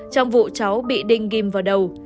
trong vụ cháu bị đinh ghim vào đầu